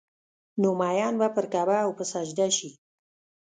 نو مين به پر کعبه او په سجده شي